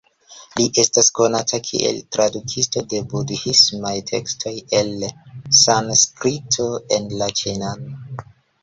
Li estas konata kiel tradukisto de budhismaj tekstoj el Sanskrito en la ĉinan.